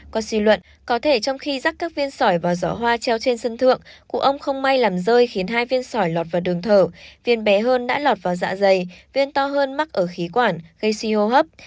còn suy luận có thể trong khi rắc các viên sỏi và giỏ hoa treo trên sân thượng cụ ông không may làm rơi khiến hai viên sỏi lọt vào đường thở viên bé hơn đã lọt vào dạ dày viên to hơn mắc ở khí quản gây suy hô hấp